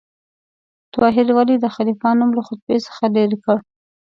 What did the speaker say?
طاهر ولې د خلیفه نوم له خطبې څخه لرې کړ؟